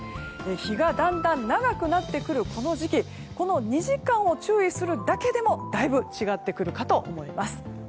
日が、だんだん長くなってくるこの時期この２時間を注意するだけでもだいぶ違ってくるかと思います。